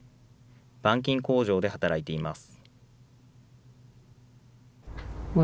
板金工場で働いています。